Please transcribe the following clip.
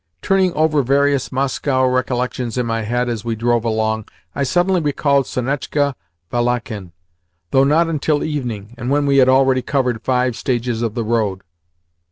Turning over various Moscow recollections in my head as we drove along, I suddenly recalled Sonetchka Valakhin though not until evening, and when we had already covered five stages of the road.